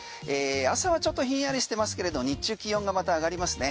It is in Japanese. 朝はちょっとひんやりしてますが日中気温がまた上がりますね。